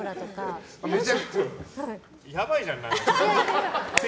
やばいじゃん、何か。